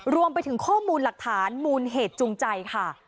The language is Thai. รวมไปถึงข้อมูลหลักฐานมูลเหตุจูงใจค่ะ